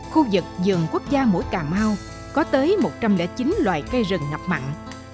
khu vực vườn quốc gia mũi cà mau có tới một trăm linh chín loài cây rừng ngập mặn